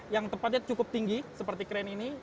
yang tepatnya cukup tinggi seperti kren ini